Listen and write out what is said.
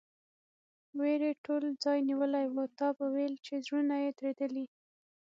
وېرې ټول ځای نیولی و، تا به ویل چې زړونه یې درېدلي.